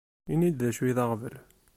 Ini-yi-d d acu i d aɣbel.